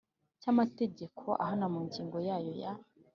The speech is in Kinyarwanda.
cy amategeko ahana mu ngingo yayo ya